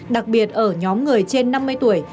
đặc biệt ở nhóm người trên năm mươi tuổi